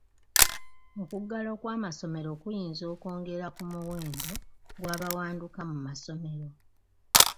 Okuggalwa kw'amasomero kuyinza okwongera ku muwendo gw'abawanduka mu masomero.